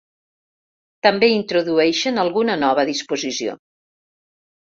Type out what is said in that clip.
També introdueixen alguna nova disposició.